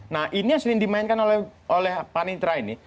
nah ini yang sering dimainkan oleh panitra ini